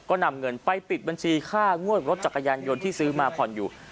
ก็นำเงินไปปิดบัญชีค่างวดรถจักรยานยนต์ที่ซื้อมาผ่อนอยู่